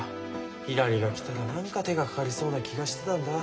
ひらりが来たら何か手がかかりそうな気がしてたんだ。